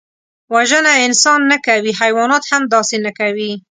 وژنه انسان نه کوي، حیوانات هم داسې نه کوي